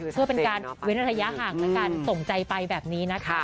เพื่อเป็นการเว้นระยะห่างแล้วกันส่งใจไปแบบนี้นะคะ